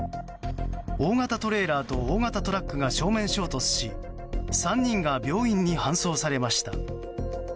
大型トレーラーと大型トラックが正面衝突し３人が病院に搬送されました。